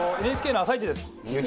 ＮＨＫの『あさイチ』です。